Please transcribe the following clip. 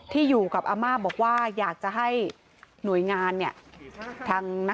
ที่อยู่กับอาม่าบอกว่าอยากจะให้หน่วยงานเนี่ย